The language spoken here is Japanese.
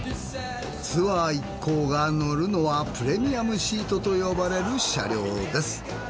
ツアー一行が乗るのはプレミアムシートと呼ばれる車両です。